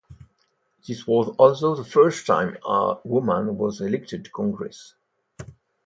This was also the first time a woman was elected to Congress.